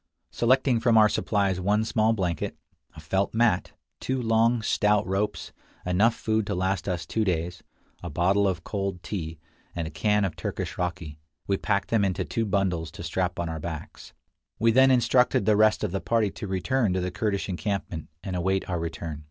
Selecting from our supplies one small blanket, a felt mat, two long, stout II 61 HELPING THE DONKEYS OVER A SNOW FIELD. ropes, enough food to last us two days, a bottle of cold tea, and a can of Turkish raki, we packed them into two bundles to strap on our backs. We then instructed the rest of the party to return to the Kurdish encampment and await our return.